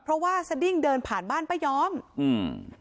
เพราะว่าสดิ้งเดินผ่านบ้านป้ายอมอืม